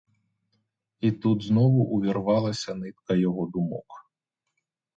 І тут знову увірвалася нитка його думок.